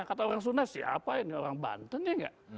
kata orang sunda siapa ini orang banten ya nggak